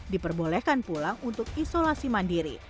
diperbolehkan pulang untuk isolasi mandiri